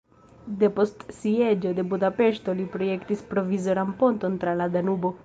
Depost sieĝo de Budapeŝto li projektis provizoran ponton tra la Danubo.